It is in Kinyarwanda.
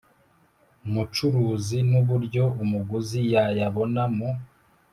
mucuruzi n uburyo umuguzi yayabona mu